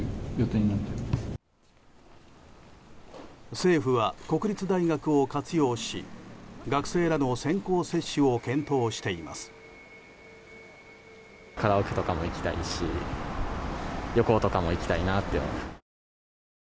政府は国立大学を活用し学生らの先行接種を検討しています。